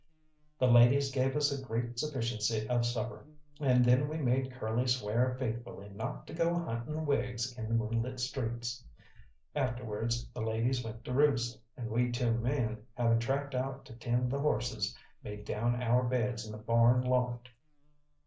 The ladies gave us a great sufficiency of supper, and then we made Curly swear faithfully not to go hunting wigs in the moonlit streets. Afterwards the ladies went to roost, and we two men, having tracked out to tend the horses, made down our beds in the barn loft.